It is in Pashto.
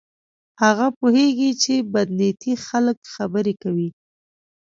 هغه پوهیږي چې بد نیتي خلک خبرې کوي.